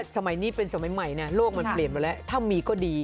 ทั้งมีก็ดี